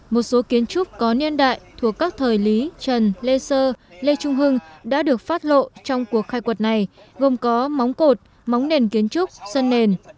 một số kiến trúc có niên đại thuộc các thời lý trần lê sơ lê trung hưng đã được phát lộ trong cuộc khai quật này gồm có móng cột móng nền kiến trúc sân nền